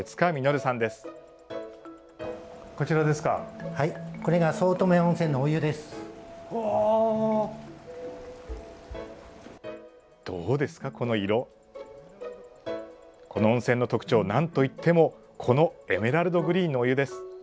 この温泉の特徴はなんといってもこのエメラルドグリーンのお湯です。